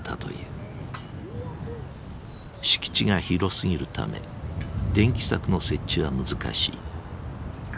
敷地が広すぎるため電気柵の設置は難しい。